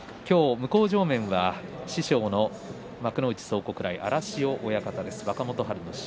向正面は師匠の幕内蒼国来の荒汐親方です。